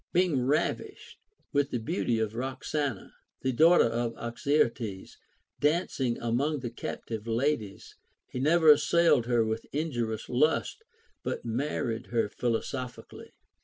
Being ravished with the beauty of Roxana, the daughter of Oxyarthes, dancing among the captive ladies, he never assailed her with, injurious lust, but married her philosophi cally.